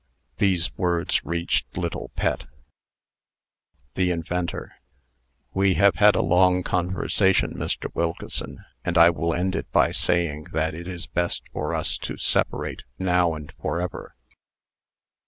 These words reached little Pet: THE INVENTOR. "We have had along conversation, Mr. Wilkeson, and I will end it by saying that it is best for us to separate, now and forever."